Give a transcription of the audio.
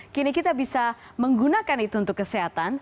kini kita bisa menggunakan itu untuk kesehatan